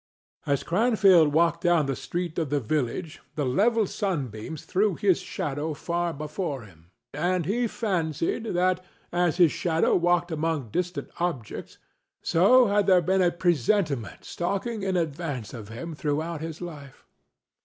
As Cranfield walked down the street of the village the level sunbeams threw his shadow far before him, and he fancied that, as his shadow walked among distant objects, so had there been a presentiment stalking in advance of him throughout his life.